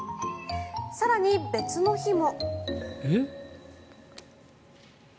更に別の日も。